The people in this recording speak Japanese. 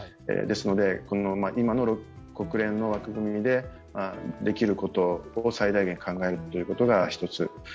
ですので、今の国連の枠組みでできることを最大限考えることが一つ。